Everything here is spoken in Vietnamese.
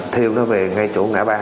thêu nó về ngay chỗ ngã ba